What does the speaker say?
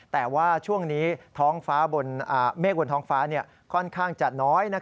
แต่ว่าช่วงนี้ท้องฟ้าเมฆบนท้องฟ้าค่อนข้างจะน้อย